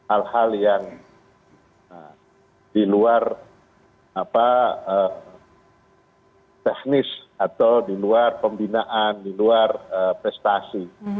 hal hal yang di luar teknis atau di luar pembinaan di luar prestasi